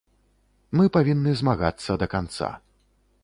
Мы павінны змагацца да канца.